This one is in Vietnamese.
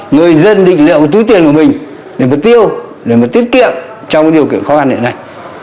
người dân định liệu tứ tiền của mình để mà tiêu để mà tiết kiệm trong điều kiện khó khăn như thế này